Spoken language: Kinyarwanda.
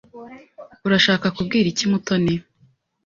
Urashaka kubwira iki Mutoni?